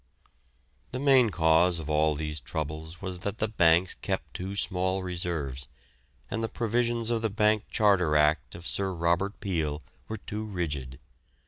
The main cause of all these troubles was that the banks kept too small reserves, and the provisions of the Bank Charter Act of Sir Robert Peel were too rigid.